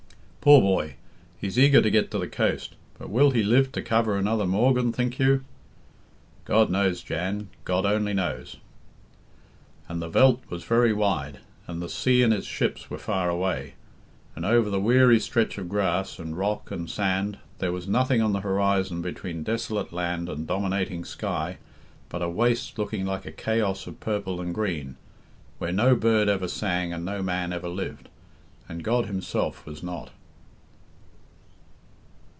"Poor boy! he's eager to get to the coast But will he live to cover another morgen, think you?" "God knows, Jan God only knows." And the Veldt was very wide, and the sea and its ships were far away, and over the weary stretch of grass, and rock, and sand, there was nothing on the horizon between desolate land and dominating sky but a waste looking like a chaos of purple and green, where no bird ever sang and no man ever lived, and God Himself was not.